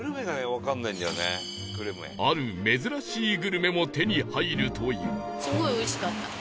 ある珍しいグルメも手に入るという